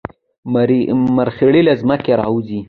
مرخیړي له ځمکې راوځي